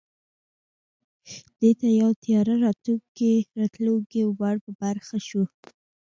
دوی ته یو تیاره راتلونکی ور په برخه شو